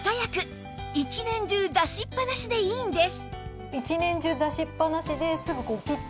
一年中出しっぱなしでいいんです